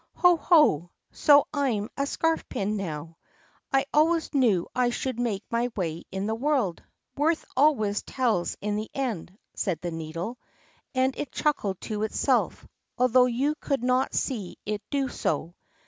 "Ho, ho! So I'm a scarf pin now! I always knew I should make my way in the world. Worth always tells in the end," said the Needle. And it chuckled to itself, although you could not see it do so.